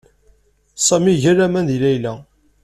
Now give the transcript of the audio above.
Sami iga laman deg Layla.